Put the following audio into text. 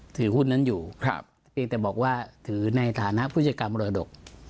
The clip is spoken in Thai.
ถือหุ้นนั้นอยู่เพียงแต่บอกว่าถือในฐานะผู้จัดการมรดก